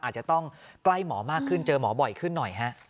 อาจจะต้องใกล้หมอมากขึ้นเจอหมอบ่อยขึ้นหน่อยฮะ